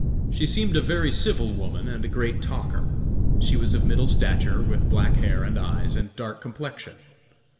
She seemed a very civil woman and a great talker. She was of middle stature, with black hair and eyes, and dark complexion.